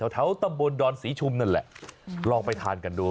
แถวตำบลดอนศรีชุมนั่นแหละลองไปทานกันดู